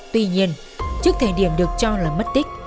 tuy nhiên trước thời điểm được cho là mất tích